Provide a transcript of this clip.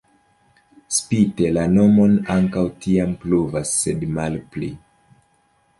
Spite la nomon ankaŭ tiam pluvas, sed malpli.